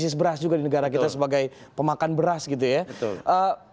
agar tidak ada krisis beras juga di negara kita sebagai pemakan beras gitu ya